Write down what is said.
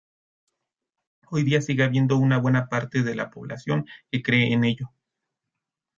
Hoy día sigue habiendo una buena parte de la población que cree en ello.